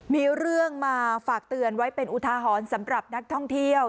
มีเรื่องมาฝากเตือนไว้เป็นอุทาหรณ์สำหรับนักท่องเที่ยว